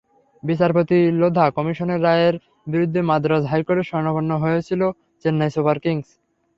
বিচারপতি লোধা কমিশনের রায়ের বিরুদ্ধে মাদ্রাজ হাইকোর্টের শরণাপন্ন হয়েছিল চেন্নাই সুপার কিংস।